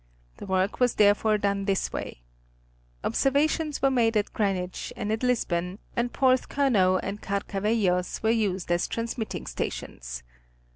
The work was therefore done in this way:— Observations were made at Greenwich and at Lisbon, and Porth eurnow and Carcavellos were used as transmitting stations.